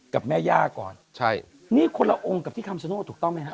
กับแม่ย่าก่อนใช่นี่คนละองค์กับที่คำชโนธถูกต้องไหมฮะ